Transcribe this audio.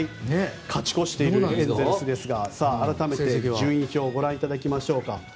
勝ち越しているエンゼルスですが改めて順位表をご覧いただきましょうか。